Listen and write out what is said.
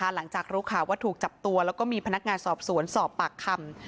หลังจากรู้ข่าวว่าถูกจับตัวแล้วก็มีพนักงานสอบสวนสอบปากคำ